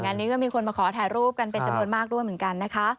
งานนี้ก็มีคนมาขอถ่ายรูปกันเป็นจำนวนมากด้วยเหมือนกันนะคะ